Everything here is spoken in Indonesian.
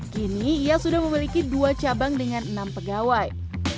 kini ia sudah memiliki dua cabang dengan enam pegawai